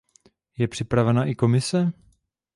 Je připravena i Komise?